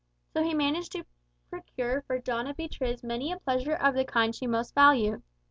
So he managed to procure for Doña Beatriz many a pleasure of the kind she most valued.